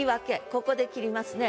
ここで切りますね。